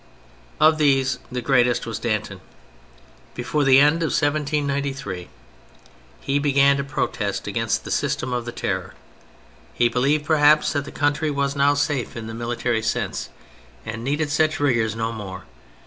Of these the greatest was Danton. Before the end of 1793 he began to protest against the system of the Terror ; he believed, per haps, that the country was now safe in the T38 THE FRENCH REVOLUTION military sense and needed such rigours no more.